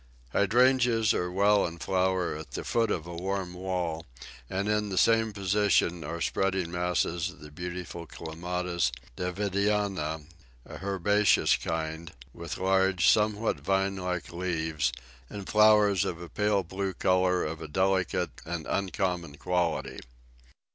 Hydrangeas are well in flower at the foot of a warm wall, and in the same position are spreading masses of the beautiful Clematis Davidiana, a herbaceous kind, with large, somewhat vine like leaves, and flowers of a pale blue colour of a delicate and uncommon quality.